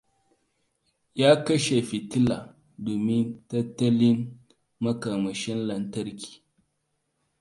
Ya kashe fitila domin tattalin makamashin lantarki.